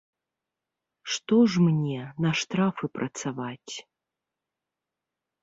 Што ж мне, на штрафы працаваць.